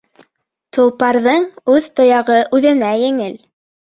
Толпарҙың үҙ тояғы үҙенә еңел.